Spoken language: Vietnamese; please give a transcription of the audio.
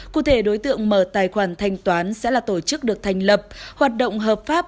cụ thể đối tượng mở tài khoản thanh toán sẽ là tổ chức được thành lập hoạt động hợp pháp